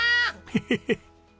ヘヘヘッ。